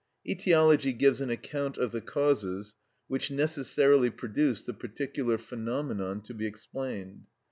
Etiology gives an account of the causes which necessarily produce the particular phenomenon to be explained.